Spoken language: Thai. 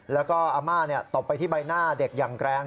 แล้วก็อาม่าตบไปที่ใบหน้าเด็กอย่างแกรง